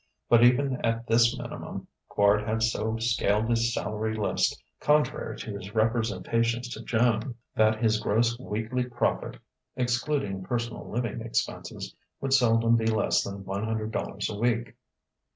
But even at this minimum, Quard had so scaled his salary list, contrary to his representations to Joan, that his gross weekly profit (excluding personal living expenses) would seldom be less than one hundred dollars a week.